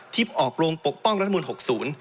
ที่ออกโรงปกป้องรัฐมนตร์๖๐